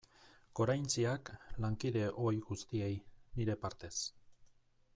Goraintziak lankide ohi guztiei nire partez.